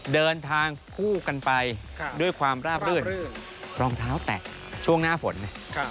เดินทางคู่กันไปด้วยความราบรื่นรองเท้าแตะช่วงหน้าฝน